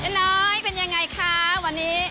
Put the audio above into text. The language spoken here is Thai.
เจ๊น้อยเป็นอย่างไรคะวันนี้